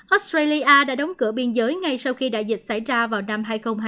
australia đã đóng cửa biên giới ngay sau khi đại dịch xảy ra vào năm hai nghìn hai mươi